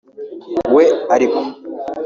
we ariko